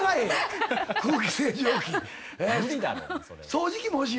掃除機も欲しいやろ？